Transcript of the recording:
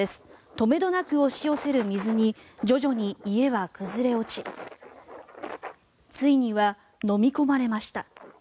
とめどなく押し寄せる水に徐々に家は崩れ落ちついにはのみ込まれました。